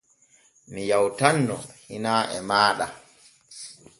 Mi yawtanno hinaa e maaɗa.